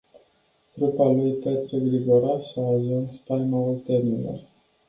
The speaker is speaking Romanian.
Trupa lui Petre Grigoraș a ajuns spaima oltenilor.